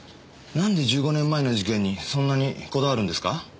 なんで１５年前の事件にそんなにこだわるんですか？